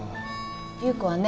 流子はね